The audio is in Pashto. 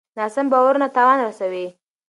ناسم باورونه تاوان رسوي.